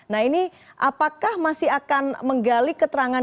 nah ini apakah masih akan menggali keterangan